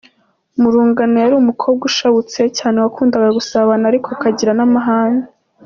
Mu rungano yari umukobwa ushabutse cyane wakundaga gusabana ariko akagira n’amahane.